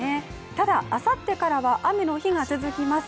ただ、あさってからは雨の日が続きます。